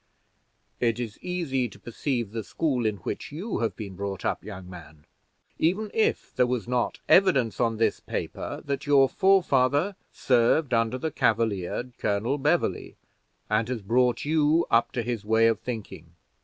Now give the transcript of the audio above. "It is easy to perceive the school in which you have been brought up, young man, even if there was not evidence on this paper that your forefather served under the Cavalier, Colonel Beverley, and has been brought up to his way of thinking."